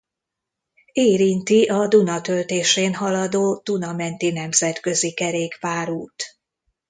Érinti a Duna töltésén haladó Duna-menti nemzetközi kerékpárút.